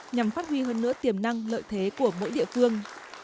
nhằm phát huy hơn nữa tiềm năng lợi thế của mỗi địa phương